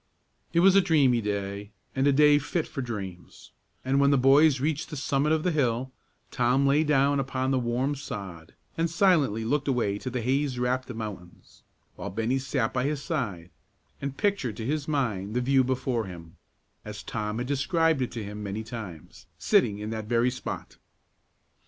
It was a dreamy day, and a day fit for dreams, and when the boys reached the summit of the hill, Tom lay down upon the warm sod, and silently looked away to the haze wrapped mountains, while Bennie sat by his side, and pictured to his mind the view before him, as Tom had described it to him many times, sitting in that very spot.